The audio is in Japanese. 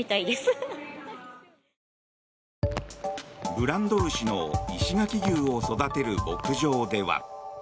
ブランド牛の石垣牛を育てる牧場では。